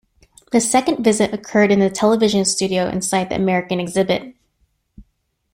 The second visit occurred in a television studio inside the American exhibit.